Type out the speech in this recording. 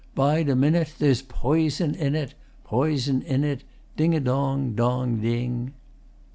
Bide a minute, There's poison in it, Poison in it, Ding a dong, dong, ding.